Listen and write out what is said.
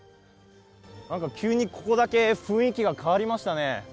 なんか急にここだけ雰囲気が変わりましたね。